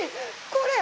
これ。